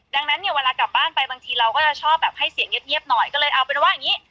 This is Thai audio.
ดังนั้นเนี่ยเวลากลับบ้านไปบางทีเราก็จะชอบแบบให้เสียงเงียบหน่อยก็เลยเอาเป็นว่าอย่างนี้